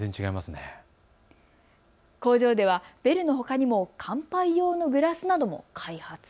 工場ではベルのほかにも乾杯用のグラスなども開発。